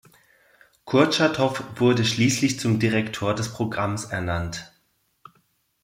Kurtschatow wurde schließlich zum Direktor des Programms ernannt.